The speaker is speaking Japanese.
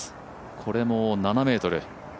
これも７ｍ。